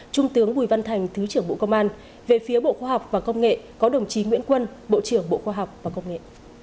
trung tướng bùi văn thành thứ trưởng bộ công an về phía bộ khoa học và công nghệ có đồng chí nguyễn quân bộ trưởng bộ khoa học và công nghệ